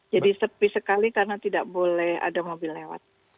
jadi sepi sekali karena tidak boleh ada mobil lewat